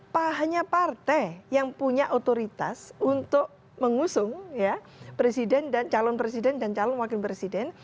pak hanya partai yang punya otoritas untuk mengusung presiden dan calon presiden dan calon wakil presiden